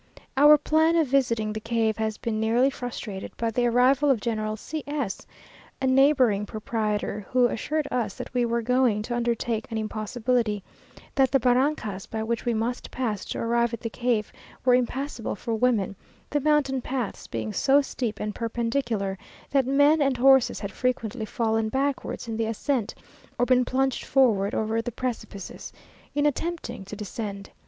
Our plan of visiting the cave has been nearly frustrated by the arrival of General C s, a neighbouring proprietor, who assured us that we were going to undertake an impossibility; that the barrancas, by which we must pass to arrive at the cave, were impassable for women, the mountain paths being so steep and perpendicular, that men and horses had frequently fallen backwards in the ascent, or been plunged forward over the precipices, in attempting to descend.